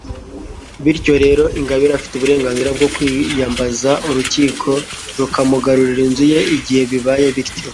bityo rero, ingabire afite uburenganzira bwo kwiyambaza urukiko rukamugarurira inzu ye igihe bibaye bityo